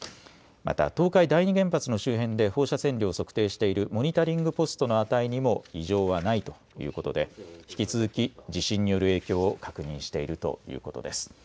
また、東海第二原発の周辺で放射線量を測定しているモニタリングポストの値にも異常はないということで、引き続き地震による影響を確認しているということです。